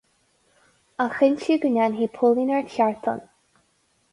A chinntiú go ndéanfaí póilíneacht cheart ann.